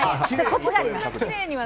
コツがあります。